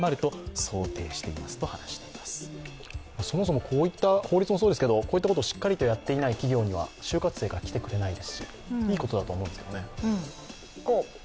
そもそも、こういった法律もそうですけどこういったことをしっかりとやっていない企業には就活生が来てくれないですしいいことだと思いますね。